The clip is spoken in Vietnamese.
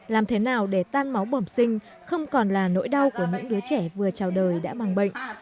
làm thế nào để tan máu bẩm sinh không còn là nỗi đau của những đứa trẻ vừa chào đời đã mang bệnh